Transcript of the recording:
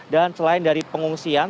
dan selain dari pengungsian